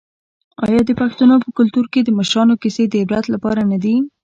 آیا د پښتنو په کلتور کې د مشرانو کیسې د عبرت لپاره نه دي؟